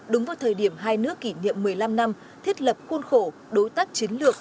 đúng vào thời điểm hai nước kỷ niệm một mươi năm năm thiết lập khuôn khổ đối tác chiến lược